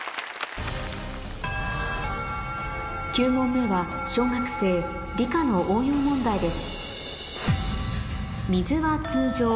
９問目は小学生理科の応用問題です